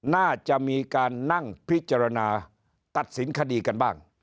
น่าจะมีการนั่งพิจารณาตัดสินคดีกันบ้าง